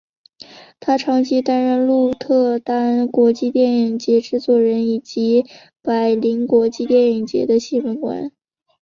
他长期担任鹿特丹国际电影节制作人以及柏林国际电影节的新闻官。